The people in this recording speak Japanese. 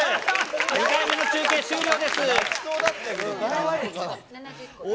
２回目の中継、終了です。